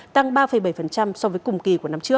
tăng ba bảy so với cùng kỳ của năm trước